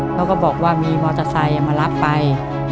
เขาก็บอกว่ามีมอเตอร์ไซค์มารับไป